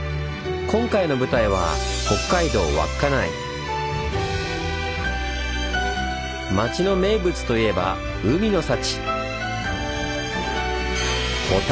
今回の舞台は町の名物といえば海の幸！